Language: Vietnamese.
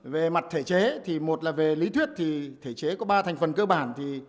về mặt thể chế một là về lý thuyết thể chế có ba thành phần cơ bản